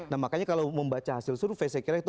nah makanya kalau membaca hasil survei saya kira itu